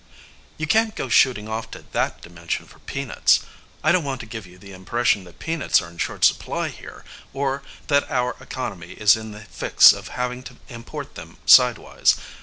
_ You can't go shooting off to that dimension for peanuts. I don't want to give you the impression that peanuts are in short supply here, or that our economy is in the fix of having to import them sidewise.